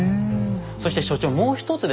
そして所長もう一つですね